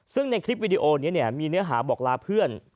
ซึ่งในคลิปวิดีโอนี้มีเนื้อหาบอกลาเพื่อน